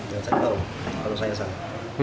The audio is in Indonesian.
dan saya tahu kalau saya salah